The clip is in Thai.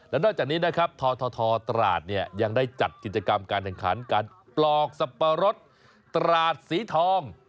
และนอกจากนี้นะครับททตราดเนี่ยยังได้จัดกิจกรรมการแข่งขันการปลอกสับปะรดตราดสีทอง